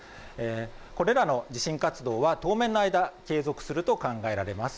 これらの地震活動は当面の間継続すると考えられます。